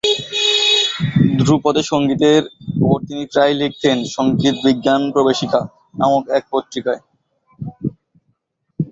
ধ্রুপদ সঙ্গীতের উপর তিনি প্রায়ই লিখতেন "সঙ্গীত বিজ্ঞান প্রবেশিকা" নামক এক পত্রিকায়।